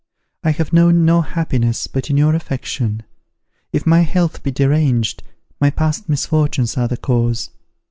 I have known no happiness but in your affection. If my health be deranged, my past misfortunes are the cause.